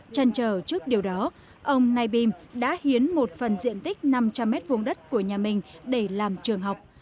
chăn trở trước điều đó ông nay bim đã hiến một phần diện tích năm trăm linh m hai đất của nhà mình để làm trường học